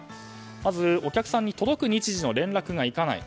まずお客さんに届く日時の連絡がいかない。